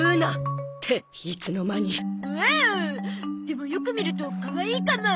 でもよく見るとかわいいかも。